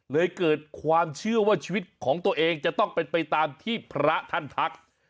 เกิดความเชื่อว่าชีวิตของตัวเองจะต้องเป็นไปตามที่พระท่านทัก